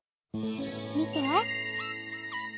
みて。